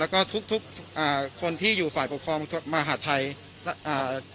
แล้วก็ทุกทุกอ่าคนที่อยู่ฝ่ายปกครองมหาทัยอ่า